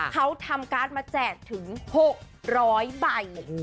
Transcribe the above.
เขาทำการท์ไหมแจกถึง๖๐๐ไป